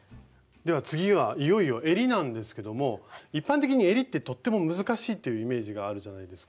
では次はいよいよえりなんですけども一般的にえりってとっても難しいっていうイメージがあるじゃないですか。